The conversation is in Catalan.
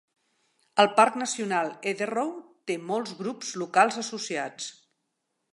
El parc nacional Etherow té molts grups locals associats.